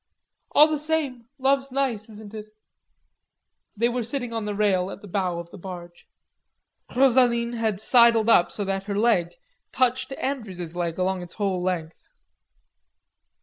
"All the same, love's nice, isn't it?" They were sitting on the rail at the bow of the barge. Rosaline had sidled up so that her leg touched Andrews's leg along its whole length.